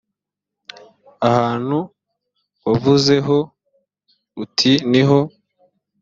ahantu wavuzeho uti ni ho